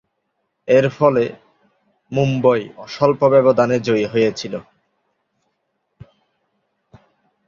এরফলে মুম্বই স্বল্প ব্যবধানে জয়ী হয়েছিল।